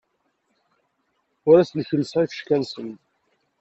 Ur asen-kellseɣ ifecka-nsen.